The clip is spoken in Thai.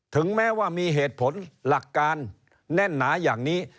ถึงแม้ว่ามีเหตุผลหลักการแน่นหนาอย่างนี้